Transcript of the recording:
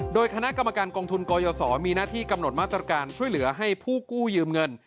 โดยคณะกรรมการกองทุนกยศมีหน้าที่กำหนดมาตรการช่วยเหลือให้ผู้กู้ยืมเงิน